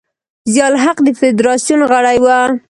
ضیا الحق د فدراسیون غړی و.